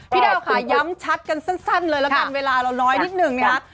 พี่ดาวค่ะย้ำชัดกันสั้นเลยละกันเวลาเราน้อยนิดนึงนะคะ